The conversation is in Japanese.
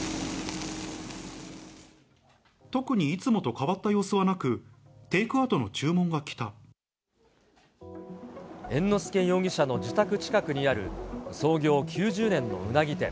特にいつもと変わった様子はなく、猿之助容疑者の自宅近くにある、創業９０年のうなぎ店。